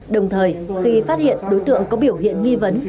đồng thời khi phát hiện đối tượng có biểu hiện nghi vấn